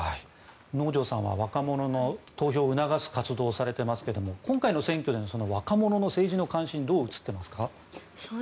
能條さんは若者の投票を促す活動をされていますが今回の選挙での若者の政治の関心どう映っていますか？